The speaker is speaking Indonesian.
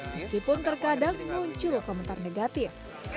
meskipun terkadang muncul komentar negatif